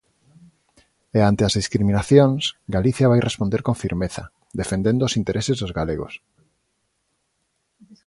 E ante as discriminacións, Galicia vai responder con firmeza, defendendo os intereses dos galegos.